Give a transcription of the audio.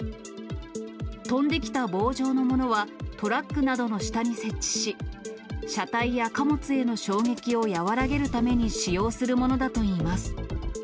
飛んできた棒状のものは、トラックなどの下に設置し、車体や貨物への衝撃を和らげるために使用するものだといいます。